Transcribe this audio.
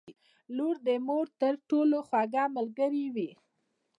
• لور د مور تر ټولو خوږه ملګرې وي.